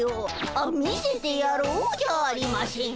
あ見せてやろうじゃあありましぇんか。